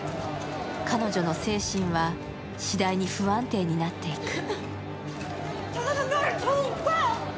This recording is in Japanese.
彼女の精神はしだいに不安定になっていく。